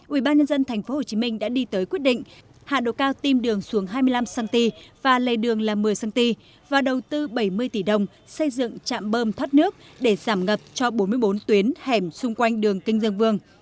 ubnd tp hcm đã đi tới quyết định hạ độ cao tim đường xuống hai mươi năm cm và lề đường là một mươi cm và đầu tư bảy mươi tỷ đồng xây dựng trạm bơm thoát nước để giảm ngập cho bốn mươi bốn tuyến hẻm xung quanh đường kinh dương vương